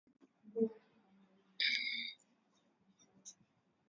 jambo hili lilitokea mwaka jana mwezi kama wa